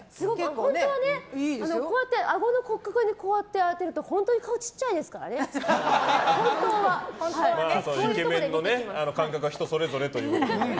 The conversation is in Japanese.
本当はあごの骨格にこうやって当てると本当に顔小さいですからね本当は。イケメンの感覚は人それぞれということで。